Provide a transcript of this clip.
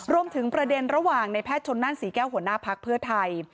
รวมถึงประเด็นระหว่างในแพทย์ชนนั่นศรีแก้วหัวหน้าพักเพื่อไทย